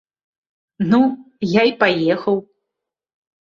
Ну, я і паехаў!